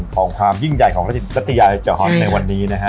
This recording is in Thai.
ของความยิ่งใหญ่ของรัฐยายจฮอตในวันนี้นะฮะ